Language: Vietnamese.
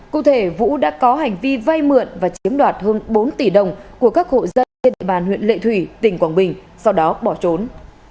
cụ thể vũ đã có hành vi vay mượn và chiếm đoạt hơn bốn tỷ đồng của các hộ dân trên địa bàn huyện lệ thủy tỉnh quảng bình sau đó bỏ trốn